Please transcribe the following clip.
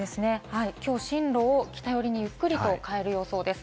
きょう進路を北寄りにゆっくり変える予想です。